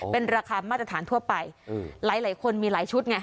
เป็นราคามาตรฐานทั่วไปหลายคนมีหลายชุดไง